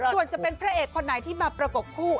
ส่วนจะเป็นพระเอกคนไหนที่มาประกบคู่